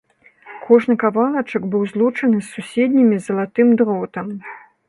Кожны кавалачак быў злучаны з суседнімі залатым дротам.